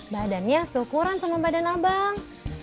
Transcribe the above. badannya syukuran sama badan abang